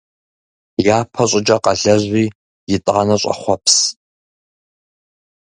Япэщӏыкӏэ къэлэжьи, итӏанэ щӏэхъуэпс.